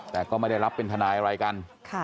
แต่ก็ไม่ได้รับเป็นทนายอะไรกัน